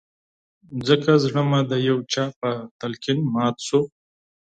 ځکه زړه مې د يو چا په تلقين مات شو